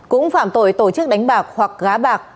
cũng phạm tội tổ chức đánh bạc hoặc gá bạc